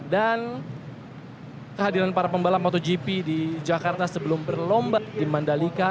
dan kehadiran para pembalap motogp di jakarta sebelum berlomba di mandalika